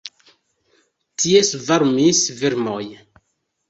Tie svarmis vermoj.